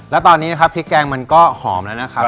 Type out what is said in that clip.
แล้วตอนนี้นะครับพริกแกงมันก็หอมแล้วนะครับ